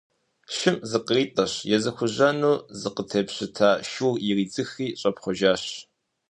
Шым зыкъритӏэщ, езыхужьэну зыкъезыпщыта шур иридзыхри щӏэпхъуэжащ.